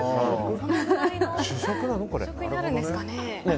主食になるんですかね？